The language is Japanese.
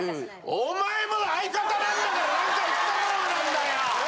お前も相方なんだから何か言ったらどうなんだよ！